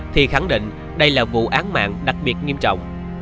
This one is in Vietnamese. thì khẳng định đây là vụ án mạng đặc biệt nghiêm trọng